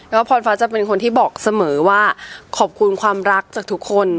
แล้วพรฟ้าจะเป็นคนที่บอกเสมอว่าขอบคุณความรักจากทุกคน